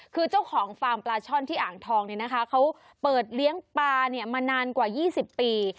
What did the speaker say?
คือเจ้าของฟาร์มปลาช่อนที่อ่างทองเนี่ยนะคะเขาเปิดเลี้ยงปลามานานกว่า๒๐ปี